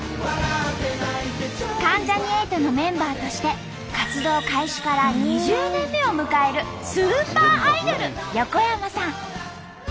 関ジャニ∞のメンバーとして活動開始から２０年目を迎えるスーパーアイドル横山さん。